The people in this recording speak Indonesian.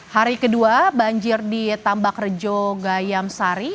hari kedua banjir di tambak rejo gayamsari